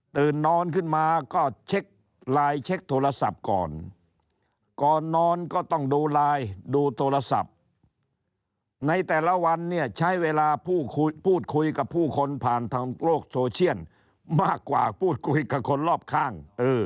นอนขึ้นมาก็เช็คไลน์เช็คโทรศัพท์ก่อนก่อนนอนก็ต้องดูไลน์ดูโทรศัพท์ในแต่ละวันเนี่ยใช้เวลาพูดคุยพูดคุยกับผู้คนผ่านทางโลกโซเชียลมากกว่าพูดคุยกับคนรอบข้าง